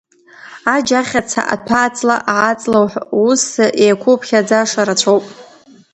Аџь, ахьаца, аҭәа-ҵла, аа-ҵла ус еиқәуԥхьаӡаша рацәоуп!